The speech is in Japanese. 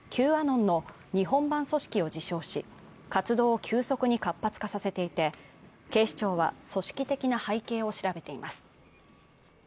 Ｑアノンの日本版組織を自称し、活動を急速に活発化させていて警視庁は組織的な背景を調べています。